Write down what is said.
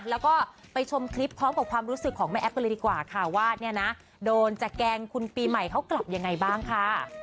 แล้วก็ไปชมคลิปพร้อมกับความรู้สึกของแม่แอ๊บกันเลยดีกว่าค่ะว่าเนี่ยนะโดนจะแกล้งคุณปีใหม่เขากลับยังไงบ้างค่ะ